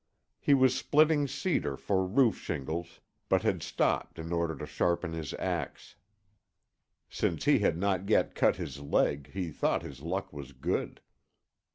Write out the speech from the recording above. He was splitting cedar for roof shingles, but had stopped in order to sharpen his ax. Since he had not yet cut his leg, he thought his luck was good.